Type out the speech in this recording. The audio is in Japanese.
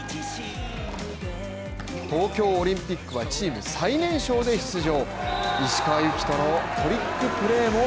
東京オリンピックはチーム最年少で出場